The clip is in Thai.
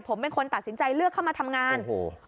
ผมเป็นคนตัดสินใจเลือกเข้ามาทำงานโอ้โห